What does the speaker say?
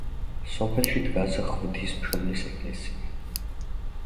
სოფელში დგას ღვთისმშობლის ეკლესია.